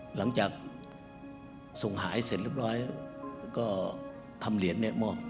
หลังจากส่งหายเสร็จเรียบร้อยก็ทำเหรียญเนี่ยมอบ